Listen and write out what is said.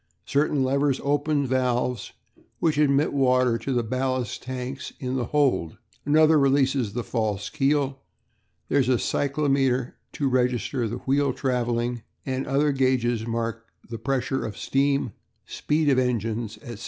Certain levers open the valves which admit water to the ballast tanks in the hold; another releases the false keel; there is a cyclometer to register the wheel travelling, and other gauges mark the pressure of steam, speed of engines, &c.